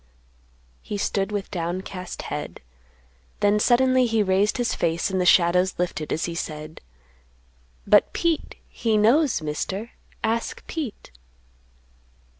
He stood with downcast head; then suddenly he raised his face and the shadows lifted, as he said, "But Pete he knows, Mister, ask Pete."